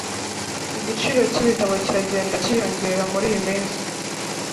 igiciro cyibitabo kiragenda cyiyongera muriyi minsi